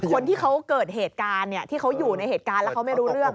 คนที่เขาเกิดเหตุการณ์ที่เขาอยู่ในเหตุการณ์แล้วเขาไม่รู้เรื่อง